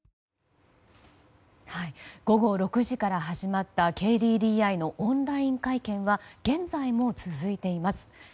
午後６時から始まったＫＤＤＩのオンライン会見は現在も続いています。